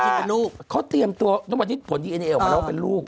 รายการสนุกรายการอะไรมีกาแสมีคนโฆษณาเขาหวังเหมือนกันเขาหวังเงินเหมือนเรากัน